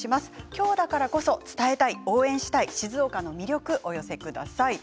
今日だからこそ伝えたい応援したい静岡の魅力をお寄せください。